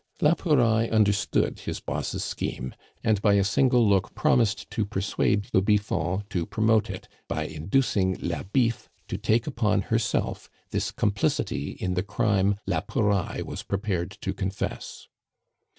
La Pouraille understood his boss' scheme, and by a single look promised to persuade le Biffon to promote it by inducing la Biffe to take upon herself this complicity in the crime la Pouraille was prepared to confess.